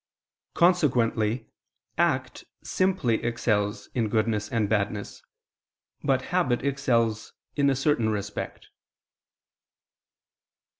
Consequently act simply excels in goodness and badness, but habit excels in a certain respect.